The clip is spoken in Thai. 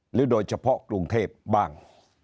โดยเฉพาะกรุงเทพบ้าง